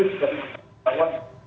sudah diperhatikan bahwa